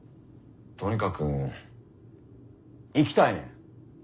とにかく行きたいねん。